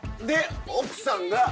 で奥さんが。